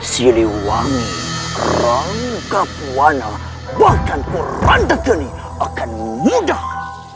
siliwangi ranggabuana bahkan purandegene akan mudah